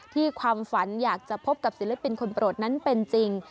ความฝันอยากจะพบกับศิลปินคนโปรดนั้นเป็นจริง